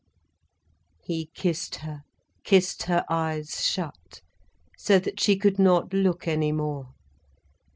He kissed her, kissed her eyes shut, so that she could not look any more.